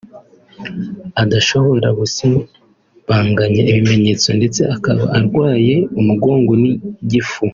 adashobora gusibanganya ibimenyetso ndetse akaba arwaye umugongo n’igifu